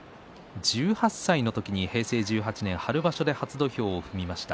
１８歳の時に平成１８年、春場所で初土俵を踏みました。